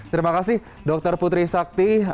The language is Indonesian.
terima kasih dokter putri sakti